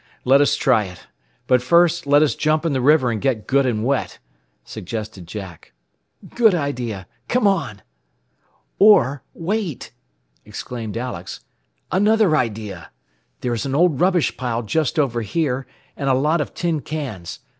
Let us try it. But first, let us jump in the river and get good and wet," suggested Jack. "Good idea! Come on! "Or; wait!" exclaimed Alex. "Another idea. There is an old rubbish pile just over here, and a lot of tin cans.